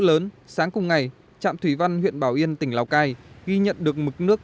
lớn sáng cùng ngày trạm thủy văn huyện bảo yên tỉnh lào cai ghi nhận được mực nước